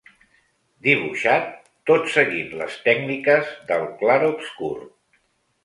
Dibuixat tot seguint les tècniques del clarobscur.